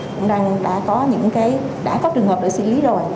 cũng đã có những cái đã có trường hợp để xử lý rồi